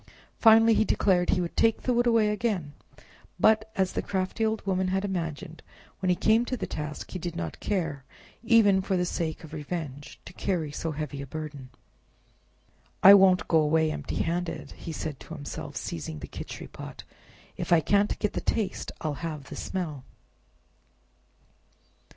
Finally, he declared he would take the wood away again, but, as the crafty old woman had imagined, when he came to the task, he did not care, even for the sake of revenge, to carry so heavy a burden. "I won't go away empty handed," said he to himself, seizing the Khichri pot; "if I can't get the taste I'll have the smell!"